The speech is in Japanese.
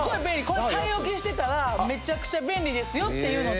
これ買い置きしてたらめちゃくちゃ便利ですよっていうのと。